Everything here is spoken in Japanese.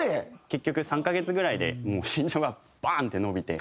結局３カ月ぐらいで身長がバーン！って伸びて。